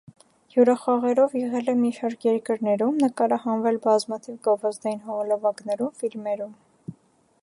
Հյուրախաղերով եղել է մի շարք երկրներում, նկարահանվել բազմաթիվ գովազդային հոլովակներում, ֆիլմերում։